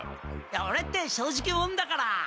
オレって正直もんだから。